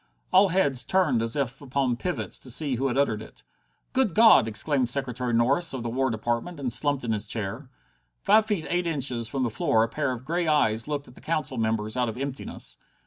All heads turned as if upon pivots to see who had uttered it. "Good God!" exclaimed Secretary Norris, of the War Department, and slumped in his chair. Five feet eight inches from the floor a pair of grey eyes looked at the Council members out of emptiness.